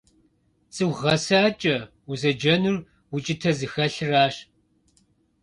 ЦӀыху гъэсакӀэ узэджэнур укӀытэ зыхэлъырщ.